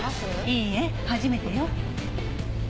いいえ初めてよ。